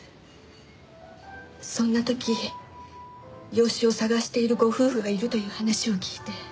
そんな時養子を探しているご夫婦がいるという話を聞いて。